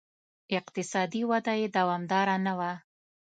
اقتصادي وده یې دوامداره نه وه.